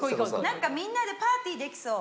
なんかみんなでパーティーできそう。